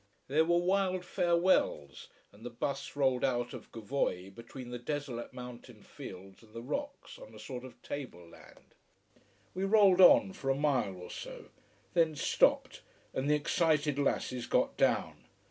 There were wild farewells, and the bus rolled out of Gavoi between the desolate mountain fields and the rocks, on a sort of table land. We rolled on for a mile or so: then stopped, and the excited lasses got down.